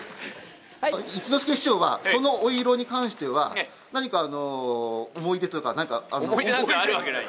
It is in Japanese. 一之輔師匠はそのお色に関しては、思い出なんか、あるわけない。